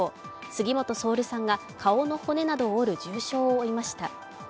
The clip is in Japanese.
杉本蒼瑠さんが顔の骨などを折る重傷を負いました。